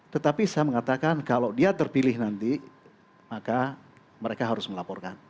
tetapi saya mengatakan kalau dia terpilih nanti maka mereka harus melaporkan